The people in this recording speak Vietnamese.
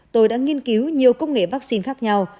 tôi đã nghiên cứu nhiều công nghệ vắc xin khác nhau